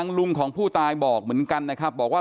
กลุ่มวัยรุ่นกลัวว่าจะไม่ได้รับความเป็นธรรมทางด้านคดีจะคืบหน้า